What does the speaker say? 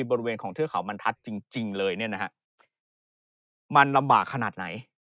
บริเวณของเทือกเขาบรรทัศน์จริงเลยเนี่ยนะฮะมันลำบากขนาดไหน